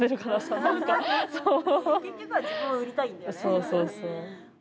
そうそうそう。